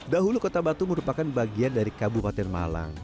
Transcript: dahulu kota batu merupakan bagian dari kabupaten malang